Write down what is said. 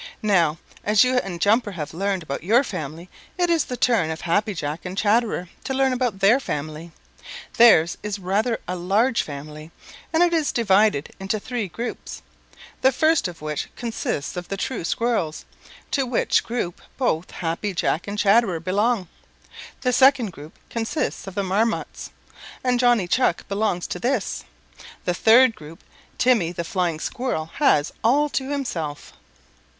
Now, as you and Jumper have learned about your family, it is the turn of Happy Jack and Chatterer to learn about their family. Theirs is rather a large family, and it is divided into three groups, the first of which consists of the true Squirrels, to which group both Happy Jack and Chatterer belong. The second group consists of the Marmots, and Johnny Chuck belongs to this. The third group Timmy the Flying Squirrel has all to himself."